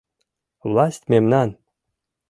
Власть мемнан!